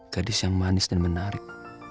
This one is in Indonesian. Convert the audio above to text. gadis yang manis dan menarik